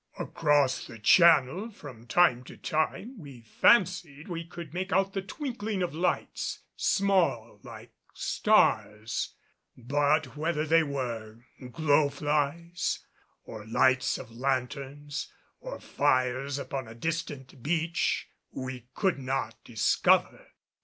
Across the channel from time to time we fancied we could make out the twinkling of lights, small like stars; but whether they were glow flies or lights of lanthorns or fires upon a distant beach we could not discover.